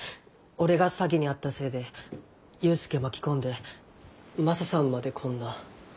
俺が詐欺に遭ったせいで勇介巻き込んでマサさんまでこんな。